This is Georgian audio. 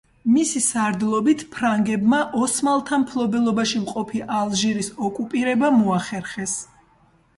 მისი სარდლობით ფრანგებმა ოსმალთა მფლობელობაში მყოფი ალჟირის ოკუპირება მოახერხეს.